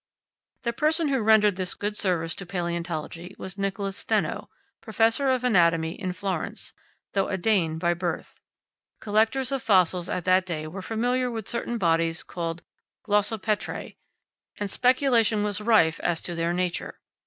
The person who rendered this good service to palaeontology was Nicolas Steno, professor of anatomy in Florence, though a Dane by birth. Collectors of fossils at that day were familiar with certain bodies termed "glossopetrae," and speculation was rife as to their nature.